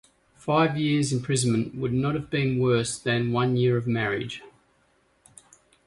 Five years' imprisonment would not have been worse than one year of marriage.